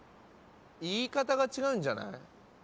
言い方が違うんじゃない？